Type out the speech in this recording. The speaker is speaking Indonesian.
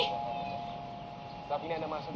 wah hebat juga nih